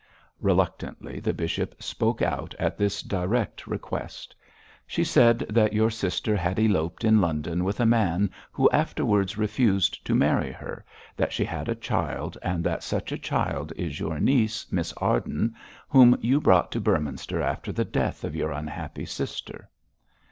Reluctantly the bishop spoke out at this direct request. 'She said that your sister had eloped in London with a man who afterwards refused to marry her, that she had a child, and that such child is your niece, Miss Arden, whom you brought to Beorminster after the death of your unhappy sister.'